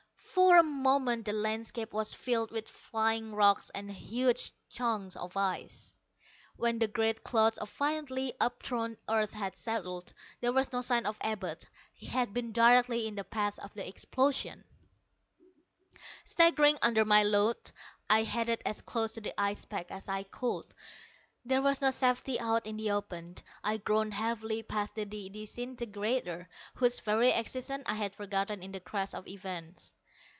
For a moment the landscape was filled with flying rocks and huge chunks of ice. When the great clouds of violently upthrown earth had settled, there was no sign of Abud. He had been directly in the path of the explosion! Staggering under my load, I headed as close to the ice pack as I could. There was no safety out in the open. I groaned heavily past the disintegrator, whose very existence I had forgotten in the crash of events.